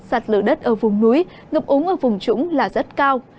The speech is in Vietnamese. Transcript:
sạt lở đất ở vùng núi ngập úng ở vùng trũng là rất cao